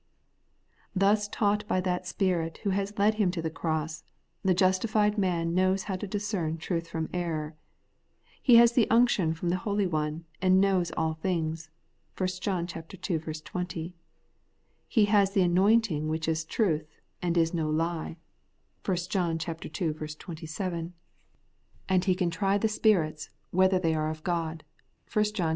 Thus taught by that Spirit who has led him to the cross, the justified man knows how to discern truth from error. He has the unction from the Holy One, and knows aU things (1 John ii. 20); he has the anointing which is truth, and is no lie (1 John 206 The Everlasting Righteousness, il 27) ; and he can try the spirits, whether they are of God (1 John iv.